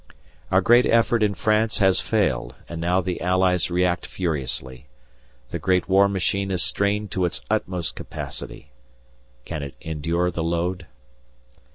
Our great effort in France has failed, and now the Allies react furiously. The great war machine is strained to its utmost capacity; can it endure the load?